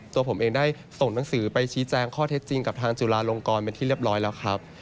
ตัวผมเองได้ส่งหนังสือไปชี้แจงข้อเท็จจริงกับทางจุฬาลงกรเป็นที่เรียบร้อยแล้วครับ